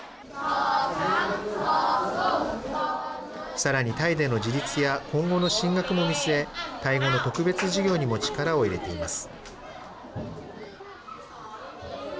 さらにタイでの自立や今後の進学も見据え、タイ語の特別授業にも力を入れています。